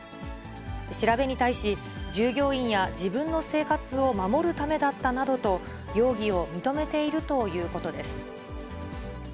調べに対し、従業員や自分の生活を守るためだったなどと、容疑を認めているということです。